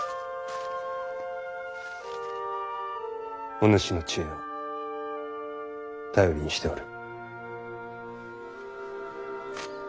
お主の知恵を頼りにしておる。